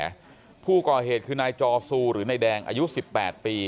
หลังก่อเหตุคือนายจอซูหรือนายแดงอายุ๑๘ปี